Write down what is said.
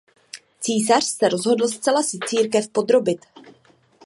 Císař se rozhodl zcela si církev podrobit.